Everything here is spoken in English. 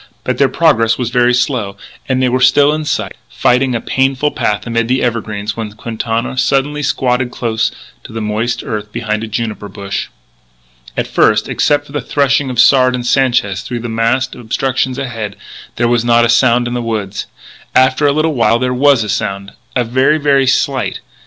But their progress was very slow; and they were still in sight, fighting a painful path amid the evergreens, when Quintana suddenly squatted close to the moist earth behind a juniper bush. At first, except for the threshing of Sard and Sanchez through the massed obstructions ahead, there was not a sound in the woods. After a little while there was a sound very, very slight.